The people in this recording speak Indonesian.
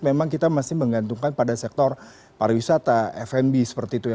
memang kita masih menggantungkan pada sektor pariwisata fnb seperti itu ya